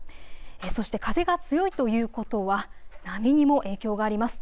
そして風が強いということは波にも影響があります。